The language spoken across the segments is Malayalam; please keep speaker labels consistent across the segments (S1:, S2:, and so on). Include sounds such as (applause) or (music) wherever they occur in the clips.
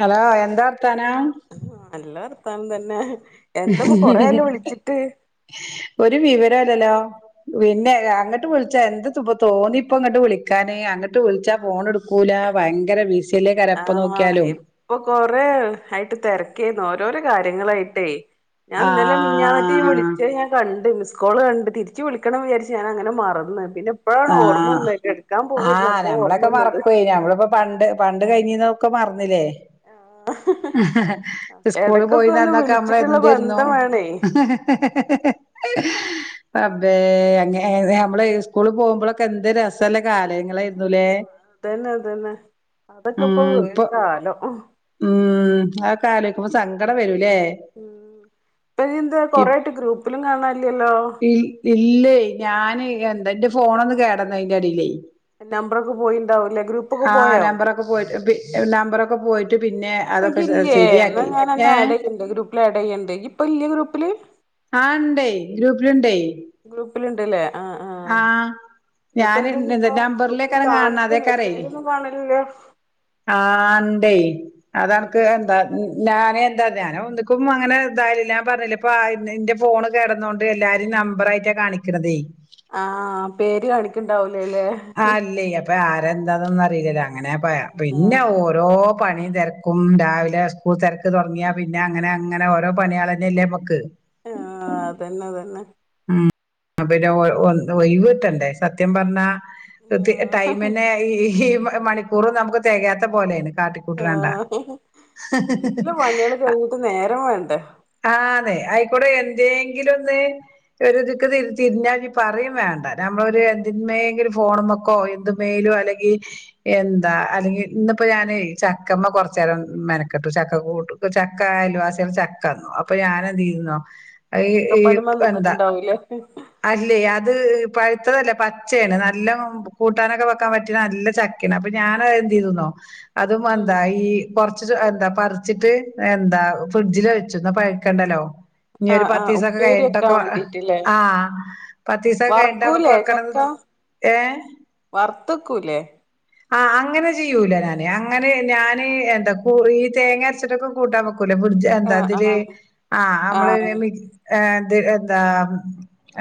S1: ഹലോ എന്താ വർത്ഥാനൊ
S2: ആ നല്ല വർത്താനം തന്നെ എന്താപ്പൊ കൊറെയായല്ലോ വിളിച്ചിട്ട്
S1: ഒരു വിവരല്ലല്ലോ പിന്നെ അങ്ങിട്ട് വിളിച്ചാ എന്ത് ഇപ്പ തോന്നിപ്പ അങ്ങോട്ട് വിളിക്കാനേ അങ്ങിട്ട് വിളിച്ചാ ഫോണ എടുക്കൂല ഭയങ്കര ബിസി
S2: ആഹ ഇപ്പൊ കൊറ ആയിട്ട് തിരക്കെനു ഓരോരോ കാര്യങ്ങളായിട്ടേ ഞാൻ ഇന്നലെ മീഞ്ഞാനറ്റീ
S1: ആഹ്
S2: വിളിച്ച ഞാൻ കണ്ടണ്ട് മിസ് മിസ്കള് കണ്ട് തിരിച്ച് വിളിക്കണം വിചാരിച് ഞാനങ്ങനെ മറന്ന് പിന്നെ എപ്പോഴാണ് ഓർമ്മ
S1: ആഹ്
S2: വന്നട്ട എടുക്കാൻ പോയില്ല
S1: ആഹ്
S2: എപ്പഴാ ഓർമ്മ വന്നത്
S1: അ കഴിഞ്ഞീന്നൊക്കെ മറന്നീല്ലേ സ്കൂള്
S2: എടക്കൊക്കെ ഒന്ന്
S1: പോയിന്നന്നൊക്കെ നമ്മള
S2: വിളിച്ചിട്ടുള്ള
S1: എന്തേന്നു
S2: ബന്ധം വേണേ
S1: ഹ ഹ റബേ അങ്ങ നമ്മള് സ്കൂള പോകുമ്പോളൊക്കെ എന്ത് രസല്ല കാലയങ്ങളായിരുന്നുലേ
S2: അതന്നെ അതന്നെ അതൊക്കെ ഇപ്പൊ ഒരു കാലം
S1: ഉം അതൊക്കെ ആലോചിക്കുമോ സങ്കടം വരും.
S2: ഇപ്പൊ എന്താ കൊറേ ആയിട്ട് ഗ്രൂപ്പിലും കാണ
S1: ഇ ഇല്ല ഞാന് എന്താ എന്റെ ഫോണ ഒന്ന് കേട് വന്ന് അതിൻ്റെ അടിയിലേ.
S2: നമ്പറൊക്കെ പോയിണ്ടാവും ഇല്ല ഗ്രൂപ്പൊക്കെ
S1: ആഹ്
S2: പോയോ?
S1: നമ്പറൊക്കെ പോയിട്ട് പി നമ്പറൊക്കെ പോയിട്ട് പിന്നെ
S2: ഇപ്പ
S1: അതൊക്കെ
S2: ഈയ്
S1: ശ
S2: ഇല്ലേ എന്നാ
S1: ശരിയാക്കി
S2: ഞാൻ നിന്നെ
S1: ഏഹ്
S2: ആഡ് ചെയ്യണ്ട് ഗ്രൂപ്പില് ആഡ് ചെയ്യണ്ട് ഈയ് ഇപ്പ ഇല്ലേ ഗ്രൂപ്പില്?
S1: ആ ഉണ്ടായി ഗ്രൂപ്പിലുണ്ടായി.
S2: ഗ്രൂപ്പിൽ ഇണ്ടല്ലേ ആ ആ.
S1: ഞാന്
S2: എന്നിട്ട്ന്താ ചെയ്യ
S1: എന്താ
S2: ഇപ്പ ഗൂപ്പ
S1: നമ്പറിലേക്കാരം കാൺണെ
S2: കാണില്ല മെസ്സേജ് ഒന്നും കാണലില്ലല്ലോ.
S1: ആ ഉണ്ടേ അതനിക്ക് എന്താ ഞാനൻ എന്താ ഞാനൻ ഒന്നിക്കും അങ്ങനെ എന്തായാല ഞാൻ പറഞ്ഞില്ലേ ഇപ്പ എന്റെ ഫോണ് കേടന്നോണ്ട് എല്ലാരും നമ്പറായിട്ടാ കാണിക്കണതേ.
S2: ആ പേര് കാണിക്കണ്ടാവൂലേല്ലേ.
S1: ന്താന്നന്ന അറിയില്ല അങ്ങനെ പ
S2: ആഹ്
S1: പിന്നെ ഓരോ പണിയും തിരക്കും രാവിലെ സ്കൂൾ തിരക്ക് തുടങ്ങിയാ പിന്നെ അങ്ങനെ അങ്ങനെ ഓരോ പണിയാളഞ്ഞല്ലേമ്മമക്ക്.
S2: ആ അതന്നെ അതന്നെ.
S1: ആ പിന്നെ ഒഴിവ് കിട്ടണ്ടേ സത്യം പറഞ്ഞ. ടൈമന്നെ ഈ ഈ മണിക്കൂർ നമുക്ക് തികയാത്ത പോലെയാണ്. കാട്ടി കൂട്ടണ്ടാ.
S2: ആഹ് വീട്ടിലെ പണികള് കഴിഞ്ഞിട്ട് നേരം വേണ്ടേ
S1: ആന്നെ ആയിക്കൂടെ എന്തെങ്കിലും ഒന്ന് (unintelligible) തിരിഞ്ഞാൽ പറയും വേണ്ട. നമ്മളൊരു എന്തിന്യങ്ക ഫോണ മക്കോ എന്തുമേലോ അല്ലെങ്കിൽ എന്താ അല്ലെങ്കിൽ ഇന്നിപ്പോ ഞാൻ ചക്കമ്മ കുറച്ച് ചേരം മെനക്കെട്ടു ചക്ക കൂട്ടു ചക്കായാലോ ആ ചേരം ചക്ക അപ്പൊ ഞാനെന്ത് ചെയന്നോ ഈ
S2: ചക്കപ്പണിമ്മെ
S1: എന്താ
S2: നിന്നിട്ടുണ്ടാവൂലേ
S1: അല്ലേ അത് പഴുത്തതല്ലേ പച്ചയാണ് നല്ല കൂട്ടാനൊക്കെ വെക്കാൻ പറ്റി നല്ല ചക്കയാണ് അപ്പൊ ഞാൻ എന്ത് ചെയ്തന്നോ അതും
S2: ഉം
S1: എന്താ ഈ കുറച്ച് എന്താ പറിച്ചിട്ട് എന്താ ഫ്രിഡ്ജിൽ പഴക്കണ്ടല്ലോ. ഇനി ഒരു
S2: ആഹ്
S1: പത്ത്
S2: ആഹ്
S1: ദീസൊക്കെ
S2: ഉപ്പേരി വെക്കാൻ
S1: കഴിഞ്ഞട്ടൊക്കെ
S2: വേണ്ടീട്ടില്ലേ
S1: ആ പത്ത് ദിവസൊക്കെ കഴിഞ്ഞിട്ട് നമ്മക്ക് വെക്കണ
S2: വർത്തക്കൂലേ?
S1: ആഹ് അങ്ങനെ ചെയ്യൂല ഞാന് അങ്ങനെ ഞാൻ എന്താ ഈ തേങ്ങ അരച്ചിട്ടൊക്കെ കൂട്ടാൻ വെക്കൂലെ?
S2: ആഹ്
S1: അതില്
S2: ആഹ്
S1: ആ നമ്മള്
S2: ആഹ്
S1: എന്താ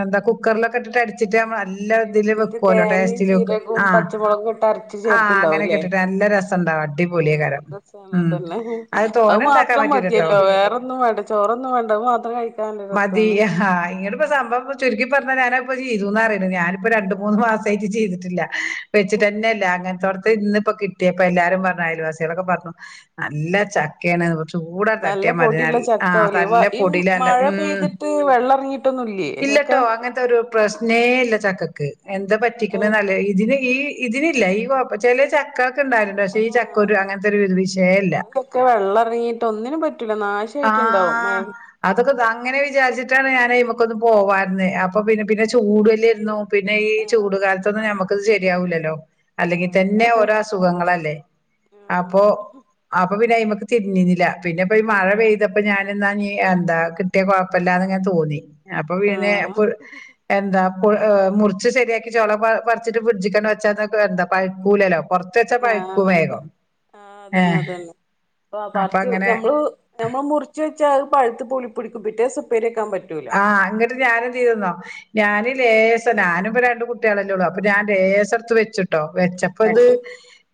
S1: എന്ത കുക്കറലൊക്കെ ഇട്ടിറ്റ് നല്ല ഇതില്
S2: വേവിച്ചിട്ട്
S1: വെക്കോലോ
S2: തേങ്ങയും
S1: ടേസ്റ്റില് ഒക്കെ
S2: ജീരകവും
S1: ആ
S2: പച്ചമുളകും ഇട്ട് അരച്ച്
S1: ആ അങ്ങനെയൊക്കെ
S2: ചേർക്കണ്ടാവൂല്ലേ
S1: ഇട്ടിട്ട് നല്ല രസണ്ടാവും അടിപൊളിയ
S2: ആഹ്
S1: കരം
S2: രസാണ്
S1: ഉം
S2: അതന്നെ
S1: അത് തോന ഉണ്ടാക്കാൻ പറ്റൂലട്ടോ.
S2: ന്നും വേണ്ട ചോറൊന്നും വേണ്ട അത് മാത്രം കഴിക്കാൻ നല്ല രസമാണ്.
S1: ഇപ്പൊ സംഭവം ചുരുക്കി പറഞ്ഞാ ഞാന ഇപ്പ ചെയ്തൂന്ന പറയണേ ഞാനിപ്പോ രണ്ട് മൂന്നു
S2: ആഹ്
S1: മാസമായിട്ട് ചെയ്തിട്ടില്ല. വെച്ചിട്ട തന്നെല്ല അങ്ങനെത്ത ഇന്ന ഇപ്പോ കിട്ടിയപ്പോ എല്ലാരും പറഞ്ഞു അയൽവാസികളൊക്കെ പറഞ്ഞു നല്ല ചക്കയാണ് കുറച്ച് കൂടെ ത
S2: നല്ല പൊടിയുള്ള
S1: ആ
S2: ചക്കാവുലേ വ
S1: നല്ല
S2: ഈ
S1: പൊടല്ല
S2: മഴ
S1: ഉ
S2: പെയ്തിട്ട് വെള്ളം ഇറങ്ങിട്ടൊന്നുംല്ലേ ചക്ക
S1: ഇല്ലട്ടോ അങ്ങനത്തെ പ്രശ്നേയില്ല. ചക്കക്ക് എന്താ പറ്റിക്കണ
S2: ഏഹ്
S1: നല്ല ഇതിന് ഈ ഇതിനില്ല ഈ ചില ചക്ക ക്കെ ഉണ്ടായിണ്ട പക്ഷെ ഈ
S2: ആഹ്
S1: ചക്കൊരു അങ്ങനത്തെ ഒരു വിഷയല്ല.
S2: ചെല ഒക്കെ വെള്ളം ഇറങ്ങിയിട്ട് ഒന്നിനും പറ്റൂല
S1: ആ
S2: നാശായിട്ടുണ്ടാവും മഴ
S1: അതൊക്കെ അങ്ങനെ വിചാരിച്ചിട്ടാ ഞാനൻ ഇമക്കൊന്നന്ന് പോവാരുന്ന അപ്പൊ പിന്നെ പിന്നെ ചൂടല്ലരുന്നു പിന്നെ ഈ ചൂട
S2: ആഹ്
S1: കാലത്തൊന്ന് നമക്ക് ശരിയാവൂലല്ലോ. അല്ലെങ്കിൽ തന്നെ
S2: ആഹ്
S1: ഓരോ അസുഖങ്ങളല്ലേ അപ്പൊ അപ്പൊ പിന്നെ അതിന്മക്ക് തിന്നില്ല പിന്നെ ഈ മഴ
S2: ആഹ്
S1: പെയ്തപ്പോ ഞാനി എന്നാ എന്താ കിട്ടിയ കുഴപ്പമില്ലാന്ന് ങ്ങാൻ തോന്നി. അപ്പൊ പിന്നെ
S2: ആഹ്
S1: എന്താ മുറിച്ച് ശരിയാക്കി ചോള പറിച്ചിട്ട് ഫ്രഡ്ജിക്കണ്ട് വച്ചാക്കെ എന്താ പഴക്കൂലല്ലോ.
S2: ആഹ് ഹാ
S1: ഏഹ്
S2: അതന്നെതന്നെ
S1: അപ്പ
S2: പറച്ച്
S1: അങ്ങനെ
S2: നമ്മള് നമ്മ മുറിച്ച്ച്ചാ അത് പഴുത്ത് പുളിപ്പിടിക്കും പിറ്റേസപ്പേരി കാ
S1: ആഹ് ന്നിട്ട് ഞാനെന്തേയ്തീന്നോ ഞാന് ലേസം ഞാനും പ്പൊ രണ്ട് കുട്ട്യാളല്ലേ ഒള്ളു അപ്പ ഞാൻ ലേസട്ത്ത് വെച്ചു ട്ടോ വെച്ചപ്പോത്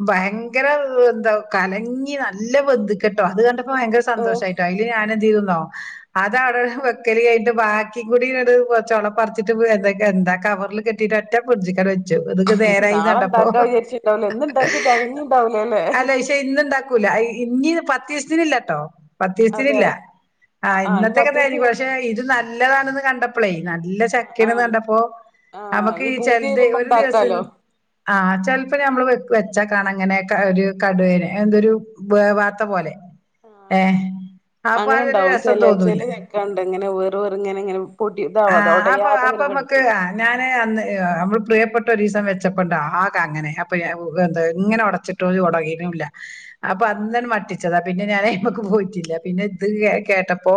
S1: ഭയന് യങ്കര വ് ന്താ കലങ്ങി നല്ല ബെന്ദ്ക്കട്ടോ അത് കണ്ടപ്പോ ഭയങ്കര സന്തോഷായിട്ടോ അയില് ഞാനെന്തെയ് തു ഓ അതാണ് വെക്ക് ൻ്റെ ബാക്കിംകൂടിങ്ങ്ട് ചൊള പറിച്ചിട്ട് വ്ന്താ എന്താ ആ കവറിൽ കെട്ടിട്ട് ഒറ്റ ഫ്രിഡ്ജി ഇതൊക്കെ
S2: നാളെ
S1: നേരായിന്നണ്ടപ്പോ
S2: ഉണ്ടാക്കാ വിചാരിച്ചിണ്ടാവൂല ഇന്ന് ഇണ്ടാക്കിയ തെകഞ്ഞിണ്ടാവൂലല്ലേ
S1: അല്ല ക്ഷേയിന്ന് ണ്ടാക്കൂല അ ഇന്ഞ്ചി പത്തീസ്ത്തിനില്ലട്ടോ
S2: അതെ
S1: പത്തീസ്ത്തിന്ല്ലാ ആ
S2: ആഹ് ആഹ് ഇനി
S1: ഇന്നത്തൊക്കെ
S2: പത്തീസം
S1: തെയിഞ്ഞ്ക്ക്
S2: കഴി
S1: ഇത് നല്ലതാണെന്ന് കണ്ടപ്പളെയ് നല്ല
S2: ആഹ്
S1: ചകേണെന്ന്
S2: ആഹ്
S1: കണ്ടപ്പോ
S2: ആഹ്
S1: നമുക്ക്
S2: ഇനി
S1: ഈ
S2: പൂതി
S1: ചിലത്
S2: വരുമ്പോ
S1: ഒരു ദിവസം
S2: ഇണ്ടാക്കാലോ
S1: ആ ചിലപ്പം നമ്മള് വെക്കും വെച്ചാ കാണങ്ങനെ ക ഒരു കടുവേനെ എന്തൊരു വേവാത്ത പോലെ
S2: ആഹ്
S1: ഏഹ് അപ്പൊ
S2: അങ്ങനെ
S1: അതൊരു
S2: ഇണ്ടാവും
S1: രസം
S2: ചെല ചെല
S1: തോന്നൂല്ല
S2: ചക്കണ്ട് ഇങ്ങനെ വേറ് വേറ് ഇങ്ങനെ ഇങ്ങനെ പൊടി
S1: ആ
S2: ഇതാവാതെ
S1: അപ്പൊ
S2: ഒടയാതെ ഇങ്ങനെ
S1: അപ്പോമ്മക്ക്
S2: കെടക്കും
S1: ഞാന് അന്ന് നമ്മൾ പ്രിയപ്പെട്ട ഒരീസം വെച്ചപ്പണ്ട് ആകെ അങ്ങനെയ് അപ്പൊ എ എന്താ ങ്ങനെ ഒടച്ചിട്ടും ഒടയുണുല്ല അപ്പൊ
S2: ഉം ഉം
S1: അന്നാണ്ട് മാറ്റ്യച്ചതാ പിന്നെ ഞാനയ്മക്ക് പോയ്ട്ടില്ല പിന്നെ ഇത് കേട്ടപ്പോ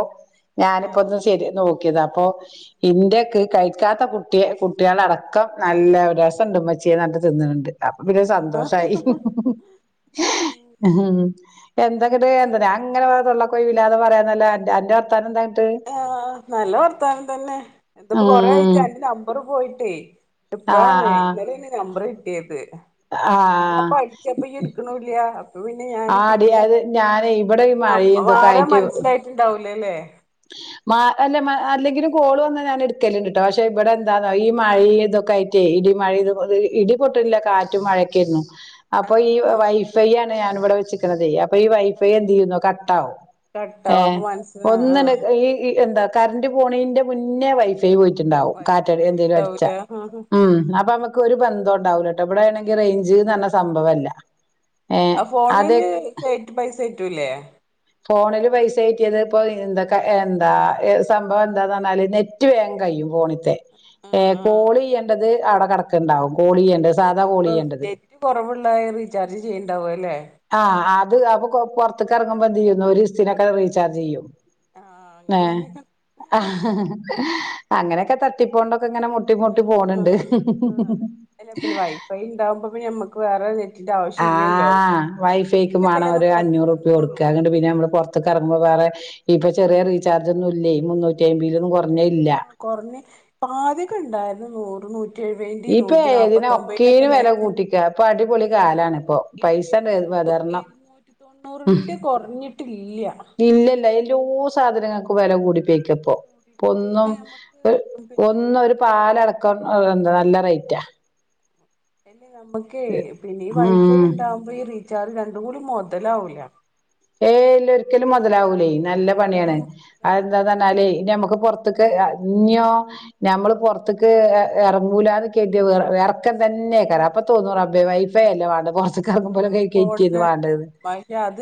S1: ഞാനിപ്പോ ഒന്ന്
S2: ആഹ്
S1: ശരി നോക്കിയതാ അപ്പൊ ഇൻ്റെ ക്ക് കഴിക്കാത്ത കുട്ടി കുട്ട്യാളടക്കം നല്ല രസം ണ്ട്ഇമ്മച്യേ ന്നറഞ്ഞിട്ട് തിന്നണ് ണ്ട് അപ്പ പിന്നെഒര്
S2: ആഹ്
S1: സന്തോഷമായി
S2: ആഹ് ഉം
S1: മ്മ് എന്തക്ക ഏ ന്താറിയോ അങ്ങനെ തൊള്ളകൊയ് വില്ലാതെ പറയാന്നല്ലാതെ അൻ് അൻ്റെ വാർത്താനെന്ദാന്ന്ട്ട്
S2: ആഹ് നല്ല വർത്താനം തന്നെ എന്തപ്പോ കൊറേ ആയിട്ട
S1: ഉം
S2: അന്റെ നമ്പർ പോയിട്ടേ
S1: ആ
S2: ന്നിട്ടിപ്പഴാണ്
S1: ആ
S2: ഇന്നലേണ് നമ്പർ കിട്ടിയേത് പിന്നെ
S1: ആഹ്
S2: ഞാന്പ്പ ടിച്ചപ്പൊ യിട്ക്ണുല്ല അപപിന്നെ ഞാന്
S1: ആടി
S2: പിന്നെ
S1: അത് ഞാന് ഇവിടെ ഈ
S2: അ
S1: മഴയും ഇതൊക്കെ ആയിട്ട്
S2: ആരാമനസ്സിലായിട്ടുണ്ടാവൂലലേ
S1: മാ അല്ലെ അല്ലെങ്കിലും കോള് വന്നാ ഞാന്ട്ക്കല്ണ്ട്ട്ടോ പക്ഷെ ഇവിടെ എന്താന്നോ ഈ മഴിം തൊക്കെയി ക്കെട്ടേയ് ഇടി മഴിം ഇടി പൊട്ടില്ല കാറ്റും മഴക്കേർന്നു അപ്പൊ ഈ
S2: ആഹ് ആഹ്
S1: വൈഫൈ ആണ് ഞാൻ ഇവിടെ വെച്ചക്ക്ണതെയ് അപ്പൊ ഈ വൈഫൈ എന്തെയ്യുന്നോ കട്ടാവു
S2: കട്ടവുമ്പോ മനസ്സിലാ ആ
S1: യേ ഈ എൻന്താ കറന്റ് പോ പോണയ്ന്റെ മുന്നേ വൈഫ് ഫൈ പോയിട്ടുണ്ടാവും
S2: വൈഫൈ
S1: കാറ്റടികെ എന്തെലും
S2: പോയിണ്ടാവൂല
S1: അടിച്ചാ
S2: ആഹ്
S1: ഉം അപ്പമ്മ ക്ക് ഒരു ബന്ധം ണ്ടാവൂലട്ടോ ഇവിടേണേണെങ്കി
S2: ആഹ്
S1: റേഞ്ച്ന്നറിഞ്ഞ സമ്പവല്ലാ
S2: ആ ഫോണില് കേറ്റ് പൈസ റ്റൂലേ
S1: ഫോണില് പൈസ കേറ്റിയത് ഇപ്പൊ ഇൻന്തകാ എന്താ ഏ സംഭവംന്താന്ന് റഞ്ഞാല് നെറ്റ് വേം കയ്യും ഫോണ്ത്തെ
S2: ആഹ് ആഹ്
S1: കോളയ്യേണ്ടത് അവിടെ കിടക്ണ്ടാവും കോളിയ്യണ്ടത് സാധാ കോളിയ്യണ്ടത്
S2: റീചർജ് ചെയ്യണ്ടാവും അല്ലേ
S1: ആഹ് അത് അപ്പൊ കൊ പുറത്ത്ക്ക് ഇറങ്ങുമ്പോ ന്ത്യ്യുന്നറിയോ ഒരു ദിവസത്തിനൊക്കെ റീചാർജെയ്യും
S2: ആഹ്
S1: ഹേ
S2: അങ്ങനെ ചെയ്യ
S1: അങ്ങനൊക്കെ തട്ടിപ്പോണ്ട ക്ക് ങ്ങനെ മുട്ടി മുട്ടി പോണ് ണ്ട്
S2: ആഹ് അല്ല പിന്നെ വൈഫൈ ഉണ്ടാവുമ്പോ പിന്നെ നമ്മക്ക് വേറെ നെറ്റിന്റെ ആവശ്യം ഇല്ലല്ലോ
S1: ആഹ് വൈഫൈക്കും
S2: എപ്പോഴെങ്കിലൊക്കെല്ലേ ഒന്ന്
S1: വേണൊരു അഞ്ഞൂറ്പ്യ
S2: പുറത്തിറങ്ങുള്ളൂ
S1: കൊടുക്കാണ്ട് പിന്നെ നമ്മള് പുറത്തക്ക് ഇറങ്ങുമ്പോ വേറെ ഇപ്പൊ ചെറിയ റീചാർജ് ഒന്നുല്ലേയ് മുന്നൂറ്റയ്ബിലൊന്നും കുര്
S2: ആ കൊറഞ്ഞ ആദ്യൊക്കെ ണ്ടായിരുന്നു നൂറ് നൂറ്റയ്
S1: ഇപ്പൊ ഏതിനാ ഒക്കേനും വെല
S2: ഉണ്ടായിരുന്നു
S1: കൂട്ടിക്കാ പ്പൊ അടിപൊളി
S2: ഇപ്പൊ
S1: കാലാണ്പ്പൊ
S2: ഇപ്പൊ ഇരുന്നൂ
S1: പൈസങ്ങട്ടേറുമ്പോ പ്രചരണം
S2: ഇരുന്നൂറ്റി തൊണ്ണൂറിന്റെ കുറഞ്ഞിട്ടില്ല
S1: ഇല്ലല്ല എല്ലോ സാധനങ്ങക്കു വെല കൂടി കപ്പോ
S2: കൂടിട്ട്
S1: പൊന്നും
S2: പിന്നെ നമുക്ക്
S1: ഒര് ഒന്നും ഒരു
S2: പിന്നെന്താണ്
S1: പാലടക്കം ന്താണ് ആയിറ്റ
S2: അയ്ന് നമ്മുകൈ പിന്നെ ഈ വൈഫൈ
S1: ഉം
S2: ഉണ്ടാവുമ്പോ ഈ റീചാർജ് രണ്ട് ണ്ടും കൂടി മൊതലാവൂല
S1: ഏയ് ഇല്ല ഒരിക്കലും മുതലാവൂലേ നല്ല പണിയാണ്
S2: രണ്ടും
S1: അത്
S2: രണ്ടിനും
S1: എന്താന്ന്
S2: വേണ്ടേ
S1: പറഞ്ഞാല് ഇ
S2: അപ്പൊ
S1: നമ്മുക്ക് പുറത്തേക്ക് ഇഞ്ഞോ ഞമ്മള് പുറത്തേക്ക് ഇറങ്ങൂലാന്ന് കേട്ടിയ ഇറക്കം തന്നെക്ക അപ്പൊ തോന്നൂറ അ വൈഫൈ അല്ലേ വേണ്ട പുറത്ത കറുമ്പ പോലെ
S2: ആഹ്
S1: ക കയറ്റിന്ന്
S2: ഫോണിലാണ്
S1: വേണ്ടത്.
S2: പക്ഷെ അത്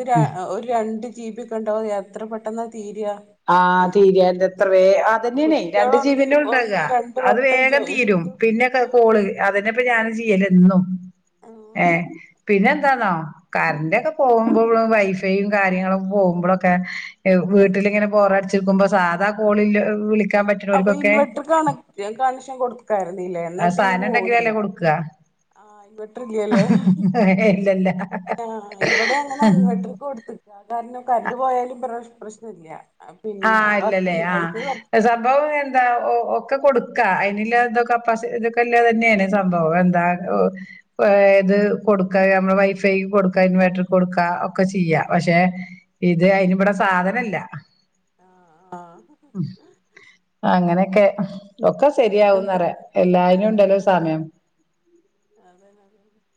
S2: ഒരു രണ്ട് ജീബി ഒക്കെ ഉണ്ടാവോ എത്ര പെട്ടെന്നാ തീര്യാ-
S1: ആ തീരുവായിരുന്നു. എത്ര
S2: കുട്ടികളൊന്ന് ഒന്ന് രണ്ട് വട്ടം ചോ എടുത്തു
S1: വേ പിന്നെക്കെ
S2: ആഹ്
S1: കോള് അതിനിപ്പ ഞാന് ചെയ്യല് എന്നും.
S2: ആഹ്
S1: ഏ പിന്നെ എന്താന്നോ കറന്റ്ഒക്കെ പോകുമ്പോ വൈഫൈയും കാര്യങ്ങളൊക്കെ പോകുമ്പോ മ്പോളൊക്കെ
S2: ആഹ്
S1: വിട്ടിലിങ്ങനെബോറടിച്ചു നിൽക്കുമ്പോ സാധാ കോൾ വിളി
S2: അപ്പൊ ഇൻവെർട്ടർ കണ കണക്ഷൻ കൊടുക്കാരുന്നില്ലേ? എന്നാ
S1: ആ
S2: പിന്നെ
S1: സാധനം ഉണ്ടെങ്കിലല്ലേ
S2: പോവുലല്ലോ.
S1: കൊടുക്കുക
S2: ആഇൻവെട്ടർഇല്ലിയ അല്ലേ?
S1: ഇല്ലല്ല
S2: ആ ഇവിടെ അങ്ങനെ അങ്ങോട്ട് കൊടുത്തിക കാരണം കറണ്ട് പോയാലും പ്രശ്നം ഇല്ല.
S1: ആ ഇല്ലല്ലേ ആ
S2: ചെയ്യും
S1: സംഭവം എന്ത ഒക്കെ കൊടുക്ക അതിനില്ല കപ്പാ ഇതക്കെല്ല തന്നെയാണ് സംഭവം എന്ത ഏത് കൊടുക്ക നമ്മ വൈഫൈ കൊടുക്ക ഇൻവേർട്ടർ കൊടുക്ക ഒക്കെ ചെയ്യാ
S2: ആഹ്
S1: പക്ഷെ ഇത് അതിന് ഇവിടെ സാധനമില്ല.
S2: ആഹ് ആഹ്
S1: അങ്ങനെയൊക്കെ- ഒക്കെ ശരിയാകുന്നു
S2: വേറെന്തൊക്കെ
S1: പറയും. എല്ലായിനും ഉണ്ടല്ലോ സമയം.
S2: അത് തന്നെ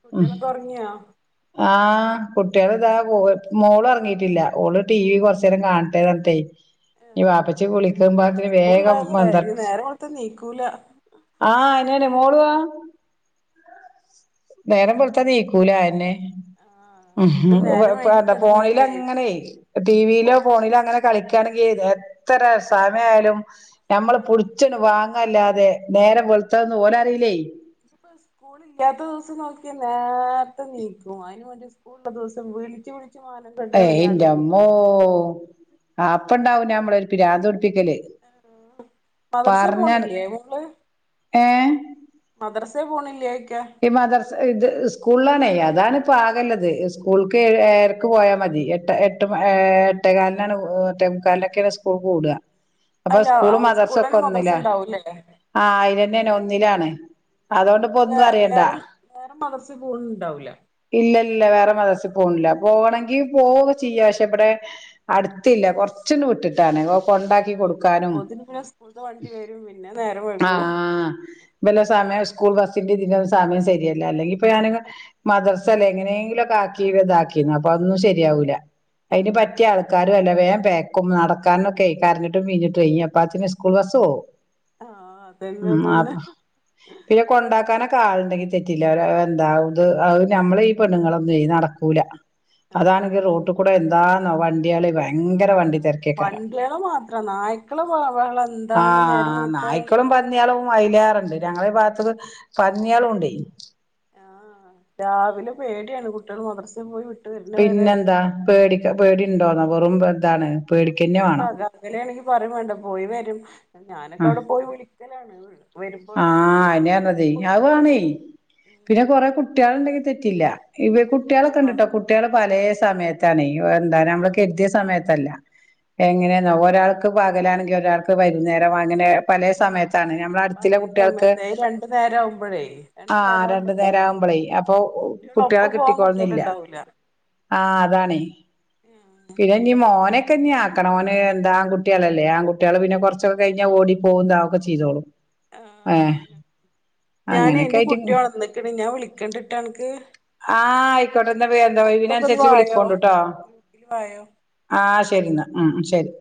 S2: കുട്ടികളൊക്കെ ഉറങ്ങിയോ?
S1: ആ കുട്ടികള് ഇതാ മോള് ഉറങ്ങിയിട്ടില്ല. ഓള് ടി വി കുറച്ച് നേരം കാണട്ടെ പറഞ്ഞിട്ട് ന ബാപ്പച്ചി
S2: നാളെ
S1: കുളിക്കുമ്പത്തേക്കിന് വേഗം
S2: സ്കൂളിള്ളല്ലേ ഇനി
S1: വന്തട്ട
S2: നേരം വെളുത്ത നീക്കൂല
S1: ആ ആരാണ്? മോളുവോ. നേരം വെളുത്താ എണിക്കൂല അത് തന്നെ.
S2: ആ
S1: ഉം. എന്താ ഫോണിലങ്ങനെ
S2: ഇനിയിപ്പോ
S1: ടിവിയിലോ ഫോണിലോ അങ്ങനെ കളിക്ക ണെങ്കിൽ എത്ര സമയാലും നമ്മള് പിടിച്ചന് വാങ്ങന്നല്ലാതെ അതെ നേരംവെളുത്തതൊന്നുഓന റിയില്ലേ?
S2: ഇനിപ്പോ സ്കൂള ഇല്ലാത്ത ദിവസം നോക്കിയ നേരത്തെ നീക്കും അതിന് വേണ്ടി സ്കൂളുള്ളദിവസം വിളിച്ചു വിളി
S1: ഏയ് എന്റമ്മോ അപ്പൊണ്ടാവും നമ്മളൊരു പിരാന്ത് പിടിപ്പിക്കല്
S2: മദ്രസയിൽ
S1: പറഞ്ഞാ
S2: പോണില്ലേ മോള്? മദ്രസെ പോണില്ലേ
S1: മദ്രസ ഇത് സ്കൂളിലാണേ അ അതാണ് ഇപ്പ ആകെയുള്ളത് സ്കൂൾക്ക് ഏഴരക്ക് പോയാൽ മതി എട്ട എട്ട എട്ടേ കാലിനാണ് എട്ടേമുക്കാലിക്കൊക്കെസ്കൂൾ കൂടുക. അപ്പൊ
S2: അല്ല
S1: സ്കൂള് മദ്രസഒക്കെ
S2: സ്കൂളിലന്നെ മദ്രസ
S1: ഒന്നിലാ.
S2: ഉണ്ടാവൂല്ലേ
S1: ആ അത് തന്നെയാണ് ഒന്നിലാണ്.
S2: ആഹ്
S1: അതുകൊണ്ടിപ്പോ
S2: അപ്പൊ വേ
S1: ഒന്നും അറിയണ്ടാ.
S2: വേറെ വേറെ മദ്രസേ പോണുണ്ടാവൂല
S1: ഇല്ല ഇല്ല വേറെ മദ്രസ പോണില്ല. പോകണമെങ്കിൽ പോവു വൊക്കെചെയ്യാം. പക്ഷെ ഇവിടെ അടുത്തില്ല കുറച്ചങ്ങ വിട്ട് ട്ടാണേ. കൊണ്ടാക്കി
S2: ആഹ്
S1: കൊടുക്കാനും
S2: അപ്പോത്തിന് പിന്നെ സ്കൂൾത്തെ വണ്ടി വരും പിന്നെ നേരം
S1: ആ
S2: വൈകും
S1: പിന്നെ സമയം സ്കൂൾ ബസ്സിന്റെ ഇതിന്റെ സമയം ശരിയല്ല അല്ലെങ്കിൽ ഇപ്പൊ ഞാനങ്ങ് മദ്രസ ല് എങ്ങനെയെങ്കിലൊക്കെ ആക്കി ഇതാക്കിന്ന് അപ്പ അതൊന്നു ശരിയാവൂല. അതിന് പറ്റിയ
S2: ആഹ്
S1: ആൾക്കാര് തന്നെ വേഗം പാ എക്ക നടക്കാനൊക്കെ കരഞ്ഞിട്ടും പിഴിഞ്ഞിട്ടും അപ്പാ പിന്നെ സ്കൂൾബസ് പോകും.
S2: ആഹ് അതന്നെ അതന്നെ
S1: പിന്നെ കൊണ്ടാക്കാനൊക്കെ ആളുണ്ടങ്കി തെറ്റില്ല എന്താത് അത് നമ്മളെ ഈ പെണ്ണുങ്ങളൊന്നും നടക്കൂല. അതാണെങ്കിൽ
S2: ആഹ് അതെ
S1: റോട്ടികൂടെ എന്താന്ന വണ്ടിയള് ഭയങ്കര
S2: രാവിലെ
S1: വണ്ടി തിരക്കിയക്കാരം
S2: വണ്ടികള് മാത്രം നായ്ക്കളെ ബഹളം
S1: ആ
S2: എന്താണ് നേരം വെളുക്കാൻ
S1: നായ്ക്കളും പന്നികളും അതിലേറെയുണ്ട്. ഞങ്ങളെ ഭാഗത്ത് പന്നികളും ഉണ്ട്.
S2: ആ രാവിലെ പേടിയാണ് കുട്ടികൾ മദ്രസ
S1: പിന്നെന്താ പേട പേടി ഉണ്ടോന്നോ? വെറും ഇതാണ് പേടിക്കന്നെ
S2: കുറച്ചൊക്കെ
S1: വേണം
S2: അകലൊണെങ്കില് പറയും വേണ്ട പോയി വരും ഞാനൊക്കെ അവിടെ പോയി വിളി (unintelligible)
S1: ആ അയന്നേ പറഞ്ഞത് അത് കാണ
S2: പോവും ഉം
S1: പിന്നെ കൊറെ കുട്ടികൾ ഉണ്ടെങ്കി തെറ്റില്ല ഇവ
S2: ആഹ്
S1: കുട്ടികളൊക്കെണ്ട്ട്ടോ കുട്ടികൾ പലയ സമയത്താണ് എന്താ നമ്മള
S2: ആഹ്
S1: കെരുതിയ സമയത്തല്ല എങ്ങനെയെന്നാ
S2: ആഹ്
S1: ഒരാൾക്ക് പകലാണെങ്കിൽ ഒരാൾക്ക് വൈുന്നേരം അങ്ങനെ പലേ സമയത്താണ് നമ്മള അടു ത്തിലെ
S2: പലേ
S1: കുട്ടികൾക്ക്
S2: സമയത്ത് രണ്ടു നേരം ആവുമ്പോഴേ രണ്ടു
S1: ആ
S2: നേരം ആവുമ്പോ
S1: രണ്ടു
S2: അതാ
S1: നേരം ആകുമ്പോളേ
S2: ബുദ്ധിമുട്ട്
S1: അപ്പൊ
S2: കുട്ടികള
S1: കുട്ടികളെ
S2: ഒപ്പം പോവാൻ കുട്ടികൾ
S1: കിട്ടിക്കൊളന്നില്ല
S2: ഉണ്ടാവൂല
S1: ആ അതാാണ് പിന്നെ നീ മോന ഞ്ഞി ആക്കണം അവന് എന്താ ആൺകുട്ടികളല്ലേ ആൺകട്ടികള് പിന്നെ കുറച്ചൊക്കെ കഴിഞ്ഞൽ ഓടി പോക ഇതാവും ഒക്കെ ചെയ്തോളും ഏഹ്
S2: ഞാൻ
S1: അങ്ങനെയൊക്കെ
S2: എന്റെ
S1: ആയിട്ട്
S2: കുട്ടി ഒന്നാന്ക്കൻ ഞാൻ വിളിക്കണ്ടിട്ട അനിക്ക്
S1: ആ ആയിക്കോട്ടെ എന്നാ വേ ഒഴിവു
S2: ഒന്ന്
S1: അനുസരിച്ച്
S2: വായോ
S1: വിളിക്കോണ്ടട്ടോ
S2: ഗ്രൂപ്പില് വായോ
S1: ആ ശരി എന്നാ ഉം ശരി